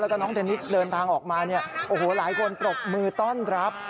แล้วก็น้องเทนนิสเดินทางออกมาหลายคนปรบมือต้อนรับ